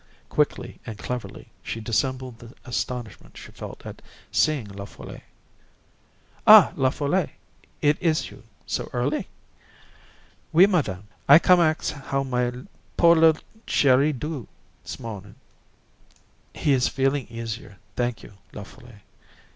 Quickly and cleverly she dissembled the astonishment she felt at seeing La Folle. "Ah, La Folle! Is it you, so early?" "Oui, madame. I come ax how my po' li'le Chéri do, 's mo'nin'." "He is feeling easier, thank you, La Folle.